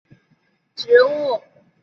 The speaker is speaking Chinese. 垂穗莎草是莎草科莎草属的植物。